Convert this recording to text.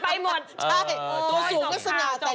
ใช่ถูกสูงก็สน่าแต่ความแพ้งขายาวนะครับ